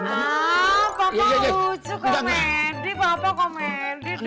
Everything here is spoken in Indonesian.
ah papa lucu komedi papa komedi deh